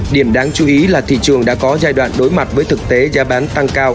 điểm đáng chú ý là thị trường đã có giai đoạn đối mặt với thực tế giá bán tăng cao